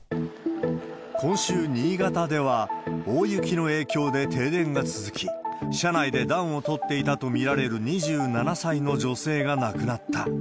今週、新潟では、大雪の影響で停電が続き、車内で暖をとっていたと見られる２７歳の女性が亡くなった。